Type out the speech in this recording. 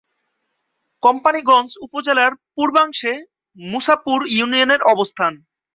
কোম্পানীগঞ্জ উপজেলার পূর্বাংশে মুছাপুর ইউনিয়নের অবস্থান।